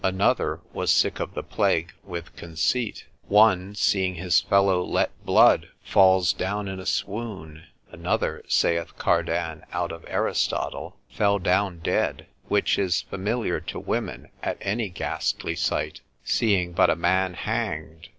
Another was sick of the plague with conceit. One seeing his fellow let blood falls down in a swoon. Another (saith Cardan out of Aristotle), fell down dead (which is familiar to women at any ghastly sight), seeing but a man hanged.